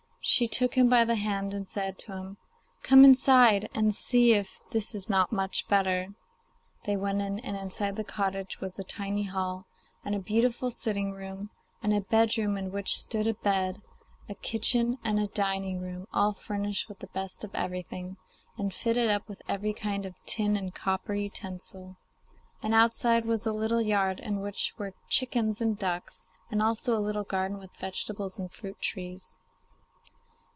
She took him by the hand and said to him, 'Come inside, and see if this is not much better.' They went in, and inside the cottage was a tiny hall, and a beautiful sitting room, and a bedroom in which stood a bed, a kitchen and a dining room all furnished with the best of everything, and fitted up with every kind of tin and copper utensil. And outside was a little yard in which were chickens and ducks, and also a little garden with vegetables and fruit trees.